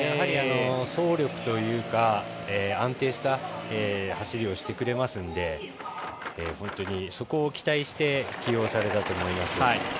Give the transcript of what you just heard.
走力というか安定した走りをしてくれますので本当にそこを期待して起用されたと思います。